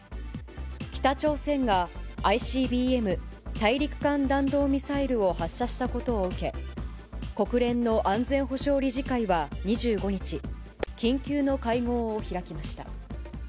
北朝鮮がＩＣＢＭ・大陸間弾道ミサイルを発射したことを受け、国連の安全保障理事会は２５日、緊急の会合を開きました。